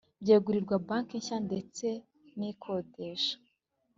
byegurirwa banki nshya ndetse n ikodesha